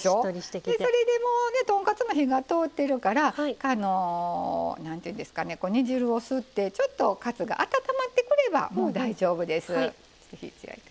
それで豚カツも火が通ってるから煮汁を吸ってちょっとカツが温まってくればもう大丈夫です。